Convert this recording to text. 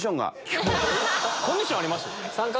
コンディションあります